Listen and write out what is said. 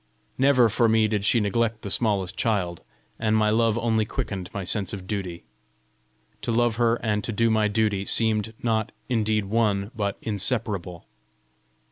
Never for me did she neglect the smallest child, and my love only quickened my sense of duty. To love her and to do my duty, seemed, not indeed one, but inseparable.